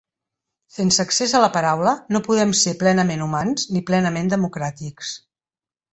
Sense accés a la paraula no podem ser plenament humans ni plenament democràtics.